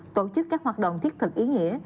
tổ chức các hoạt động thiết thực ý nghĩa